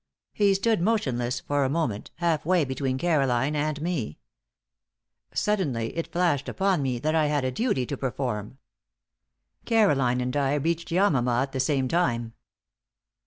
He stood motionless for a moment, half way between Caroline and me. Suddenly it flashed upon me that I had a duty to perform. Caroline and I reached Yamama at the same time.